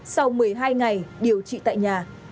sau một mươi hai ngày điều trị tại nhà